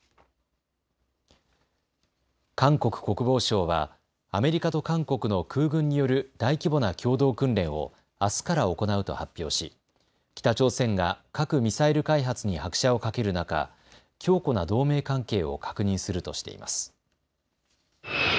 韓国国防省はアメリカと韓国の空軍による大規模な共同訓練をあすから行うと発表し北朝鮮が核・ミサイル開発に拍車をかける中、強固な同盟関係を確認するとしています。